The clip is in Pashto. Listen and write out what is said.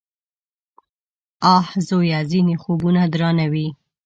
_اه ! زويه! ځينې خوبونه درانه وي.